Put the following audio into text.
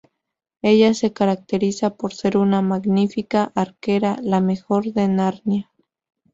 Ella se caracteriza por ser una magnífica arquera, la mejor de Narnia.